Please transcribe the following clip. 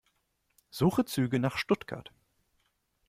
Suche Züge nach Stuttgart.